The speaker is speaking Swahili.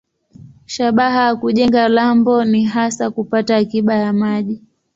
Shabaha ya kujenga lambo ni hasa kupata akiba ya maji.